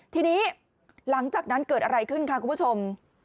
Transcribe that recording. ทีนี้หลังจากนั้นเกิดอะไรขึ้นค่ะคุณผู้ชม